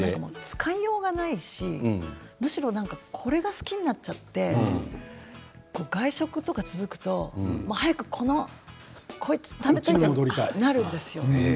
使いようがなくてむしろ、これが好きになってしまって外食が続くと早くこの、こっちが食べたいとなってしまうんですよ。